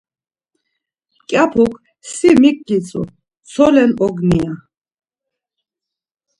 Mǩyapuk, Si mik gitzuuu, solen ogniuuu?! ya.